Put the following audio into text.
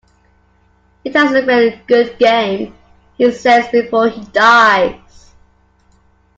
"It has been a good game," he says before he dies.